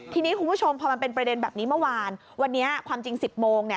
ทีนี้คุณผู้ชมพอมันเป็นประเด็นแบบนี้เมื่อวานวันนี้ความจริง๑๐โมง